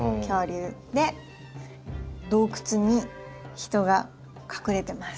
で洞窟に人が隠れてます。